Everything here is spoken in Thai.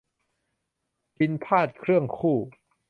พิณพาทย์เครื่องคู่